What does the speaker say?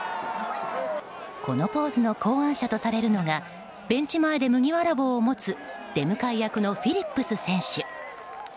このポーズの考案者とされるのがベンチ前で麦わら帽を持つ出迎え役のフィリップス選手。